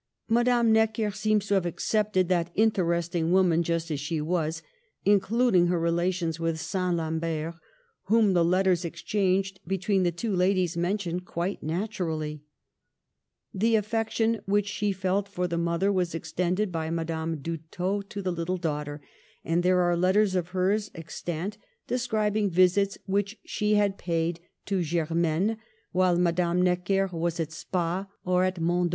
Madame Necker seems to have accepted that interesting woman just as she was, including her relations with St. Lambert, whom the letters exchanged between the two ladies mention quite naturally. The affection which she felt for the mother was extended by Madame D'Houdet6t to the little daughter, and there are letters of hers extant describing visits which she had paid to Digitized by VjOOQLC GERMAINE.